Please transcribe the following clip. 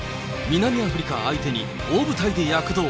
南アフリカ相手に、大舞台で躍動。